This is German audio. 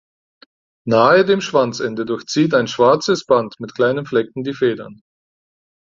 Nahe dem Schwanzende durchzieht ein schwarzes Band mit kleinen Flecken die Federn.